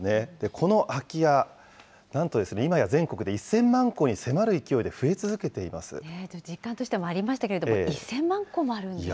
この空き家、なんといまや全国で１０００万戸に迫る勢いで増え続実感としてもありましたけれども、１０００万戸もあるんですね。